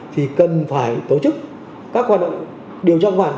thì cần phải tổ chức các hoạt động điều tra công an